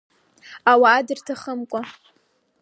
Ауаа дырҭахымкәа…